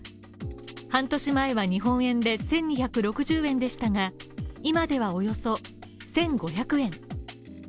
半年前は日本円で１２６０円でしたが、今ではおよそ１５００円。